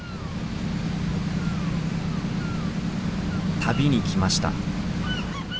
旅に来ました。